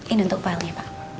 ini untuk pak alnya pak